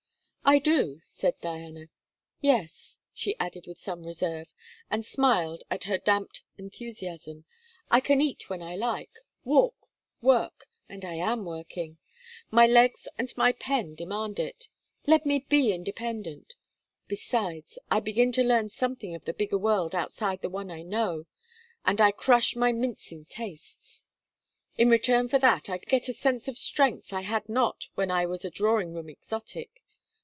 'I do,' said Diana; 'yes,' she added with some reserve, and smiled at her damped enthusiasm, 'I can eat when I like, walk, work and I am working! My legs and my pen demand it. Let me be independent! Besides, I begin to learn something of the bigger world outside the one I know, and I crush my mincing tastes. In return for that, I get a sense of strength I had not when I was a drawing room exotic.